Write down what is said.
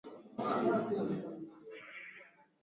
ambapo nchi wanachama wanashindana kila mmoja kuwa mwenyeji wake